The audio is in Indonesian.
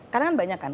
karena kan banyak kan